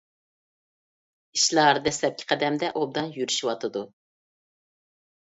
ئىشلار دەسلەپكى قەدەمدە ئوبدان يۈرۈشۈۋاتىدۇ.